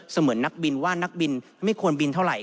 เหมือนนักบินว่านักบินไม่ควรบินเท่าไห